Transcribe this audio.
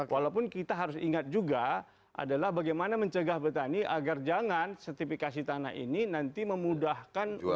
walaupun kita harus ingat juga adalah bagaimana mencegah petani agar jangan sertifikasi tanah ini nanti memudahkan warga